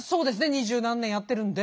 二十何年やってるんで。